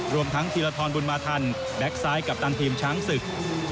รวมทั้งธีรทรบุญมาทันแบ็คซ้ายกัปตันทีมช้างศึก